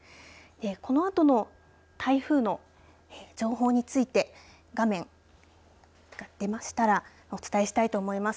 このあとの台風の情報について画面出ましたらお伝えしたいと思います。